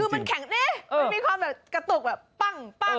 คือมันแข็งเอ๊ะมันมีความแบบกระตุกแบบปั้ง